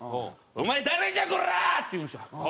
「お前誰じゃコラ！」って言うんですよ。